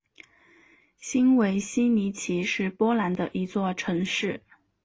新维希尼奇是波兰的一座城市。